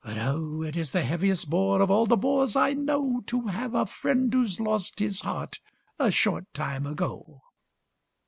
But oh! it is the heaviest bore, Of all the bores I know, To have a friend who's lost his heart A short time ago.